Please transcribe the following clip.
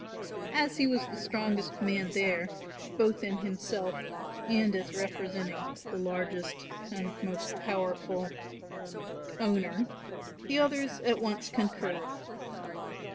As he was the strongest man there, both in himself and as representing the largest and most powerful owner, the others at once concurred.